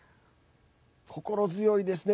心強いですね。